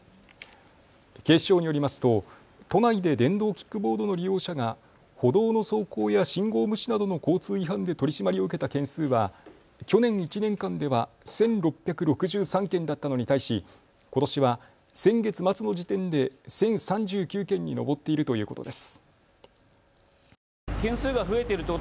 警視庁によりますと都内で電動キックボードの利用者が歩道の走行や信号無視などの交通違反で取締りを受けた件数は去年１年間では１６６３件だったのに対し、ことしは先月末の時点で１０３９件に上っているということです。